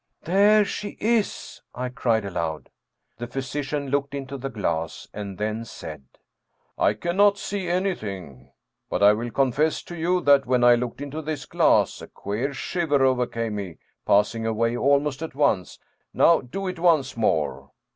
" There she is! " I cried aloud. The physician looked into the glass, and then said: " I cannot see anything. But I will confess to you that when I looked into this glass, a queer shiver overcame me, pass ing away almost at once. Now do it once more."